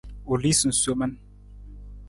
U lii sunsomin.